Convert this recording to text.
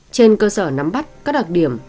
trên cơ sở nắm bắt các đặc điểm